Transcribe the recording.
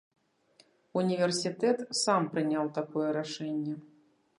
Універсітэт сам прыняў такое рашэнне.